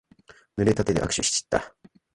ぬれた手で握手しちった。